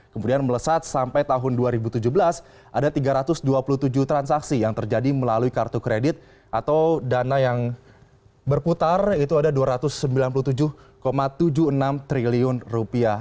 kemudian melesat sampai tahun dua ribu tujuh belas ada tiga ratus dua puluh tujuh transaksi yang terjadi melalui kartu kredit atau dana yang berputar itu ada dua ratus sembilan puluh tujuh tujuh puluh enam triliun rupiah